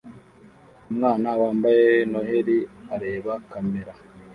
Umwana wambaye Noheri areba kamera